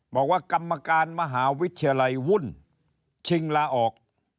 บอกว่ากรรมการมหาวิทยาลัยวุ่นชิงลาออก